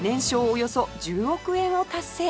およそ１０億円を達成